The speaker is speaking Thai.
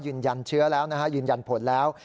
ยืนยันเชื้อแล้วนะฮะยืนยันผลแล้ว